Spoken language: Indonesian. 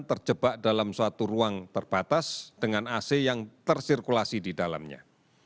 terjebak dalam suatu ruang terbatas dengan ac yang tersirkulasi di dalamnya